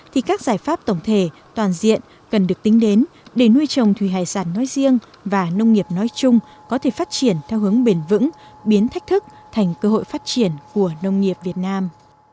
thì các giải pháp tổng thể toàn diện cần được tính đến để nuôi trồng thủy hải sản nói riêng và nông nghiệp nói chung có thể phát triển theo hướng bền vững biến thách thức thành cơ hội phát triển của nông nghiệp việt nam